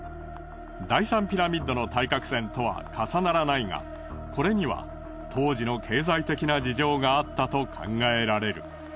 第３ピラミッドの対角線とは重ならないがこれには当時の経済的な事情があったと考えられる。